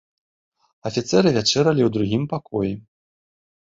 Афіцэры вячэралі ў другім пакоі.